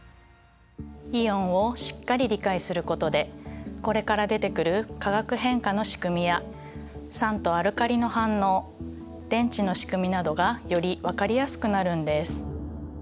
イオンをしっかり理解することでこれから出てくる化学変化の仕組みや酸とアルカリの反応電池の仕組みなどがより分かりやすくなるんです。